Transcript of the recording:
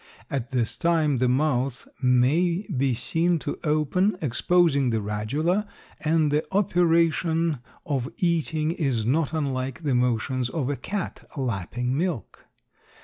At this time the mouth may be seen to open, exposing the radula and the operation of eating is not unlike the motions of a cat lapping milk.